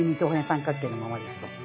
三角形のままですと。